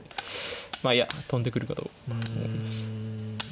まあいや跳んでくるかと思いました。